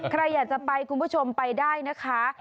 ใครอยากจะไปคุณผู้ชมไปได้นะคะ